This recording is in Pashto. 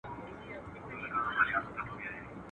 پر اوښ سپور، سپي وخوړ.